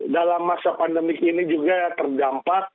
dalam masa pandemi ini juga terdampak